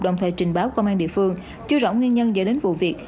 đồng thời trình báo công an địa phương chưa rõ nguyên nhân dẫn đến vụ việc